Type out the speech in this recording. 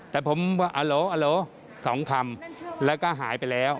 แต่ผมว่าอโหลอโหล๒คำแล้วก็หายไปแล้ว